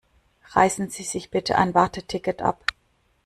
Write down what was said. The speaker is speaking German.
Reißen Sie sich bitte ein Warteticket ab.